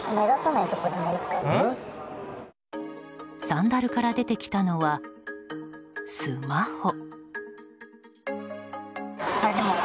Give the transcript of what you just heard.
サンダルから出てきたのはスマホ。